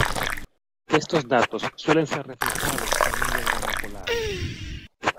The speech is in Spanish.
Estos datos suelen ser reflejados en un diagrama polar.